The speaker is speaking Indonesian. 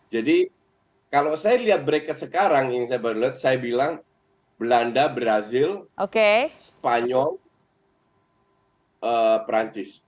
jadi kalau saya lihat bracket sekarang yang saya baru lihat saya bilang belanda brazil spanyol perancis